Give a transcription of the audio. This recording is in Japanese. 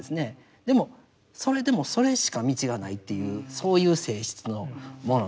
でもそれでもそれしか道がないというそういう性質のものですよね。